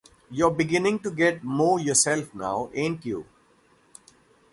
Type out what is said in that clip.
You're beginning to get more yourself now, ain't you?